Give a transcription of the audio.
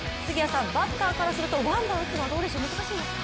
バッターからするとワンバンを打つのはどうですか難しいですか？